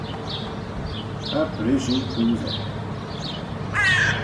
Cha brish oo poosey.